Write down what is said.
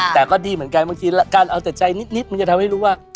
แต่ก็ดีเหมือนกันบางทีการเอาแต่ใจนิดมันจะทำให้รู้ว่า